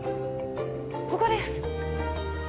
ここです。